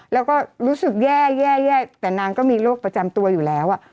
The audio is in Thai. แล้วก็รู้สึกแย่แต่นางก็มีโรคประจำตัวอยู่แล้ว